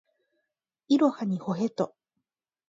いろはにほへと